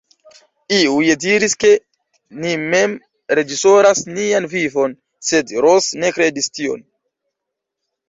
Iuj diris, ke ni mem reĝisoras nian vivon, sed Ros ne kredis tion.